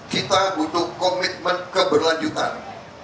kita butuh komitmen keberlanjutan